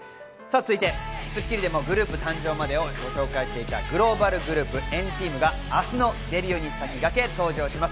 『スッキリ』でもグループ誕生までをご紹介していたグローバルグループ、＆ＴＥＡＭが明日のデビューに先駆け、登場します。